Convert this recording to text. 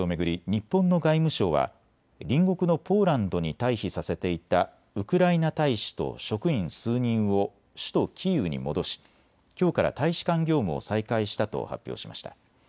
日本の外務省は隣国のポーランドに退避させていたウクライナ大使と職員数人を首都キーウに戻しきょうから大使館業務を再開したと発表しました。